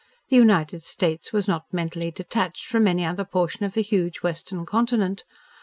The United States was not mentally detached from any other portion of the huge Western Continent.